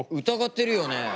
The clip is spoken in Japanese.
疑ってるよね？